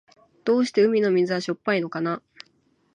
どうして海の水はしょっぱいのかな。